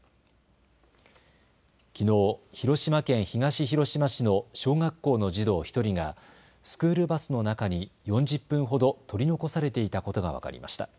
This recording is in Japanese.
きのう広島県東広島市の小学校の児童１人がスクールバスの中に４０分ほど取り残されていたことが分かりました。